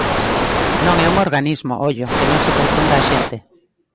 Non é un organismo, ollo, que non se confunda a xente.